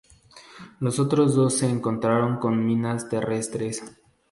Los otros dos se encontraron con minas terrestres.